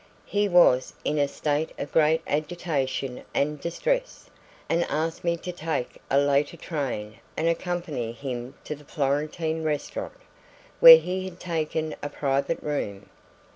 He was in a state of great agitation and distress, and asked me to take a later train and accompany him to the Florentine Restaurant, where he had taken a private room.